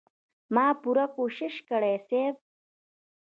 ما پوره کوشش کړی صيب.